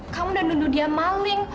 kamu udah duduk dia maling